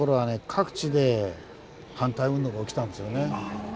各地で反対運動が起きたんですよね。